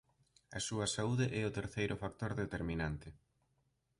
A súa saúde é o terceiro factor determinante.